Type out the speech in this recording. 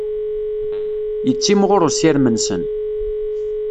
Yettimɣur usirem-nsen.